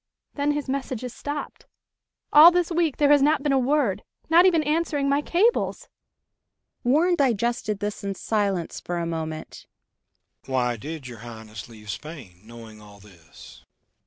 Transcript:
Then his messages stopped. All this week there has not been a word, not even answering my cables!" Warren digested this in silence for a moment. "Why did your Highness leave Spain, knowing all this?"